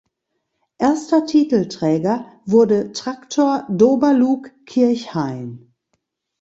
Erster Titelträger wurde Traktor Doberlug-Kirchhain.